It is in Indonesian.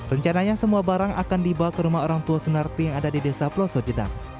rencananya semua barang akan dibawa ke rumah orang tua sunarti yang ada di desa peloso jedang